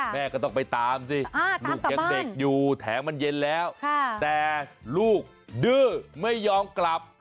แม่ก็ต้องไปตามสิลูกยังเด็กอยู่แถมมันเย็นแล้วแต่ลูกดื้อไม่ยอมกลับ